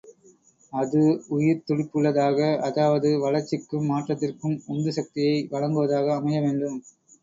அது உயிர்த்துடிப்புள்ளதாக அதாவது வளர்ச்சிக்கும் மாற்றத்திற்கும் உந்து சக்தியை வழங்குவதாக அமைய வேண்டும்.